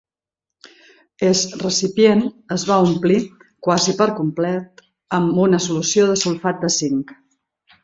Es recipient es va omplir, quasi per complet, amb una solució de sulfat de zinc.